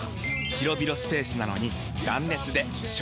広々スペースなのに断熱で省エネ！